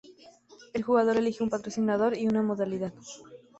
El jugador elige un patrocinador y una modalidad.